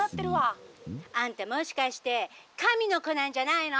「あんたもしかして神の子なんじゃないの？」。